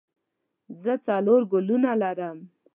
زه څلور ګلونه لرم.